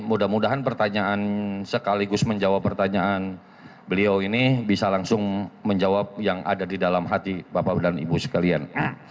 mudah mudahan pertanyaan sekaligus menjawab pertanyaan beliau ini bisa langsung menjawab yang ada di dalam hati bapak dan ibu sekalian